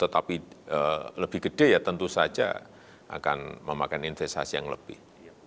jadi lebih gede ya tentu saja akan memakan investasi yang lebih